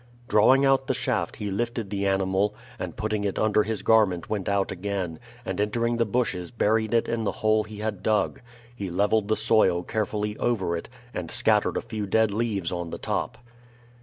Drawing out the shaft he lifted the animal, and putting it under his garment went out again, and entering the bushes buried it in the hole he had dug. He leveled the soil carefully over it, and scattered a few dead leaves on the top.